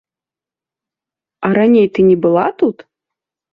А раней ты не была тут?